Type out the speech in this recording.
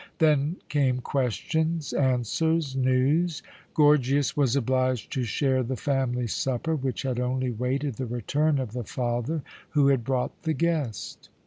Then came questions, answers, news! Gorgias was obliged to share the family supper, which had only waited the return of the father who had brought the guest.